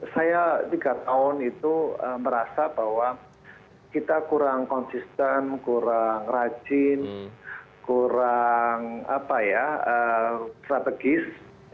saya kurang tahu ya tapi saya tiga tahun itu merasa bahwa kita kurang konsisten kurang rajin kurang strategis